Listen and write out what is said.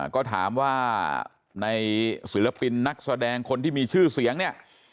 ก็ถามว่าในศิลปินนักแสดงคนที่มีชื่อเสียงเนี่ย